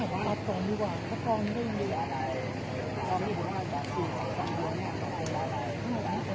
มันก็ไม่ต่างจากที่นี่นะครับ